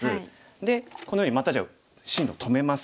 でこのようにまたじゃあ進路止めます。